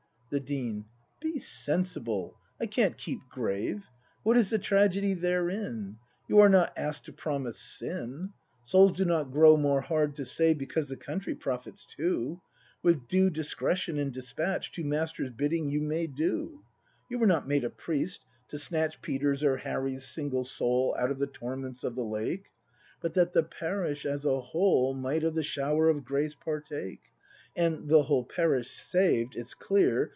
The Dean. Be sensible! I can't keep grave! "What is the tragedy therein ? You are not ask'd to promise sin ? Souls do not grow more hard to save Because the Country profits too; With due discretion and despatch Two masters' bidding you may do; You were not made a priest, to snatch Peter's or Harry's single soul Out of the torments of the lake; But that the Parish as a whole Might of the shower of grace partake; And, the whole Parish saved, it's clear.